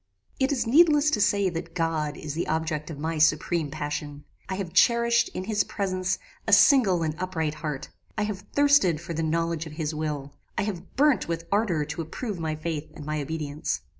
"It is needless to say that God is the object of my supreme passion. I have cherished, in his presence, a single and upright heart. I have thirsted for the knowledge of his will. I have burnt with ardour to approve my faith and my obedience.